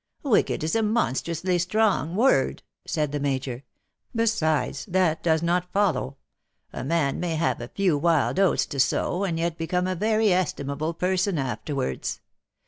Wicked is a monstrously strong word V said the Major. " Besides, that does not follow. A man may have a few wild oats to sow, and yet become a very estimable person afterwards.